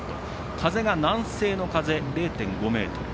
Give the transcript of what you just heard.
風が南西の風、０．５メートル。